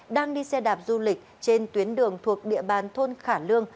đang đi xe đạp du lịch trên tuyến đường thuộc địa bàn thôn khả lương